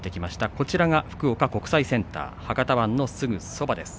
こちらは福岡国際センター博多湾のすぐそばです。